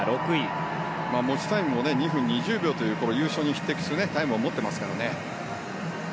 持ちタイムも２分２０秒という優勝に匹敵するタイムを持っていますからね。